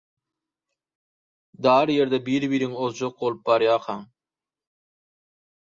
Dar ýerde biri-biriňi ozjak bolup barýarkaň